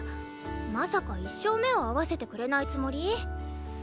まさか一生目を合わせてくれないつもり？